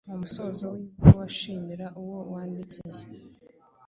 Mu musozo w’ibaruwa, shimira uwo wandikiye.